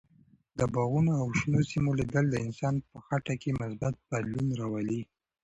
د باغونو او شنو سیمو لیدل د انسان په خټه کې مثبت بدلون راولي.